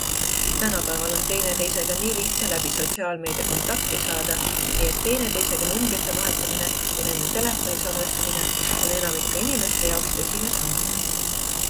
Tänapäeval on teineteisega nii lihtne läbi sotsiaalmeedia kontakti saada, nii et teineteisega numbrite vahetamine ja nende telefoni salvestamine on enamiku inimeste jaoks tõsine samm.